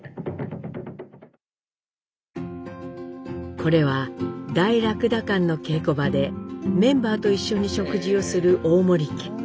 これは大駱駝艦の稽古場でメンバーと一緒に食事をする大森家。